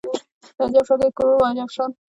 د اجب شاګۍ کروړو عجب شان